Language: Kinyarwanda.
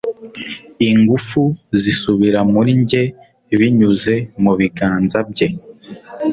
ingufu zisubira muri njye binyuze mu biganza bye